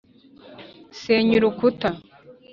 senya urukuta!